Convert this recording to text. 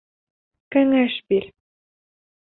Кәңәш бир.